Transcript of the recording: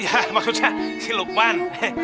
ya maksudnya si lukman